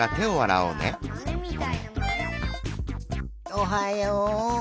おはよう。